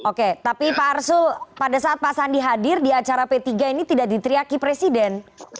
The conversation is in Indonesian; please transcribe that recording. oke tapi pak arsul pada saat pak sandi hadir di acara p tiga ini tidak diteriaki presiden